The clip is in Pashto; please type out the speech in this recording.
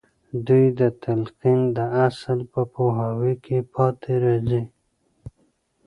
دوی د تلقين د اصل په پوهاوي کې پاتې راځي.